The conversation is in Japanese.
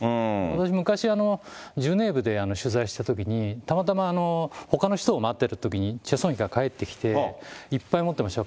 昔、ジュネーブで取材したときに、たまたま、ほかの人を待ってるときに、チェ・ソンヒが帰ってきて、いっぱい持ってましたよ。